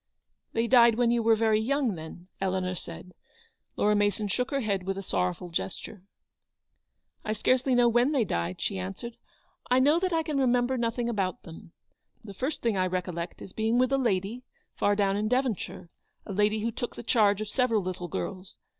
"They died when you were very young, then?" Eleanor said. Laura Mason shook her head with a sorrowful gesture. "I scarcely know when they died," she an swered ;" I know that I can remember nothing about them; the first thing I recollect is being with a lady, far down in Devonshire — a lady who took the charge of several little girls.